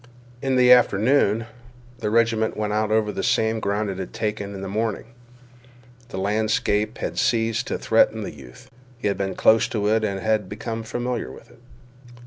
In the afternoon, the regiment went out over the same ground it had taken in the morning. The landscape then ceased to threaten the youth. He had been close to it and become familiar with it.